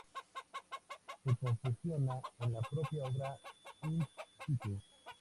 Se confecciona en la propia obra "in situ".